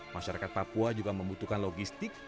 masyarakat papua juga membutuhkan logistik